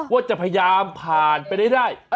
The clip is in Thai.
ว่าจะพยายามผ่านไปได้